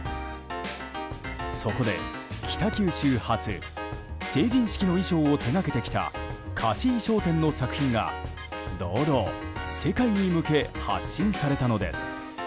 そこで北九州発成人式の衣装を手掛けてきた貸衣装店の作品が堂々世界に向け発信されたのです。